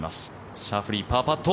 シャフリー、パーパット。